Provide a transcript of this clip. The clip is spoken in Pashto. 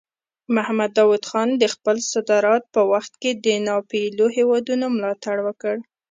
محمد داود خان د خپل صدارت په وخت کې د ناپېیلو هیوادونو ملاتړ وکړ.